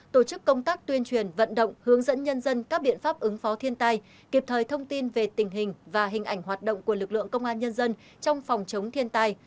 tổ chức công tác tuyên truyền vận động hướng dẫn nhân dân các biện pháp ứng phó thiên tai kịp thời thông tin về tình hình và hình ảnh hoạt động của lực lượng công an nhân dân trong phòng chống thiên tai